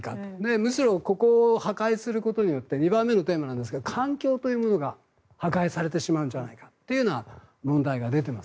むしろここを破壊することによって２番目のテーマんですが環境というものが破壊されてしまうんじゃないかという問題が出ています。